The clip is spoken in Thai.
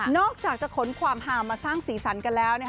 นอกจากจะขนความห่ามมาสร้างศีรษรันกันแล้ว